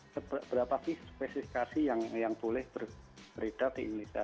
seberapa sih spesifikasi yang boleh beredar di indonesia